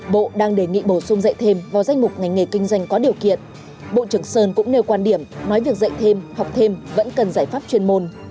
bộ đang đề nghị bổ sung dạy thêm vào danh mục ngành nghề kinh doanh có điều kiện bộ trưởng sơn cũng nêu quan điểm nói việc dạy thêm học thêm vẫn cần giải pháp chuyên môn